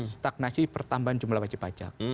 stagnasi pertambahan jumlah pajak